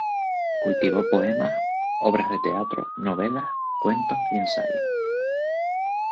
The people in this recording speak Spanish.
Cultivó poemas, obras de teatro, novelas, cuentos y ensayos.